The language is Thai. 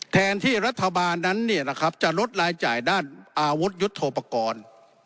แทนที่รัฐบาลนั้นจะลดรายจ่ายด้านอาวุธยุทธโปรกรณ์